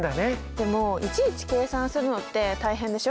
でもいちいち計算するのって大変でしょ。